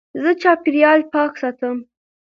زه چاپېریال پاک ساتم.